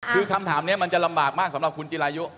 คือคำถามนี้มันจะลำบากมากสำหรับคุณจิรายุ